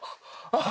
あっ！